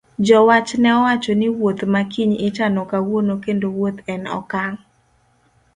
Jowach ne owacho ni wuoth ma kiny ichano kawuono kendo wuoth en okang'